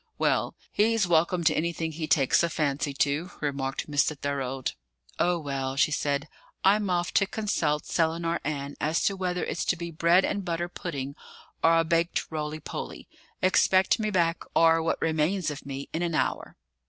"Well, he's welcome to anything he takes a fancy to," remarked Mr. Thorold. "Oh, well!" she said. "I'm off to consult Selinar Ann as to whether it's to be bread and butter pudding or a baked roly poly; expect me back, or what remains of me, in an hour."